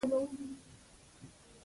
د تقوی لاره د رڼا لاره ده.